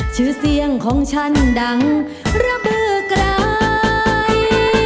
ชื่อเสียงของฉันดังระบือไกล